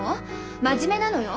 真面目なのよ。